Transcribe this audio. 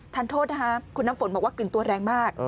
โทษนะคะคุณน้ำฝนบอกว่ากลิ่นตัวแรงมาก